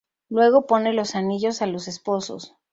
Luego pone los anillos a los esposos.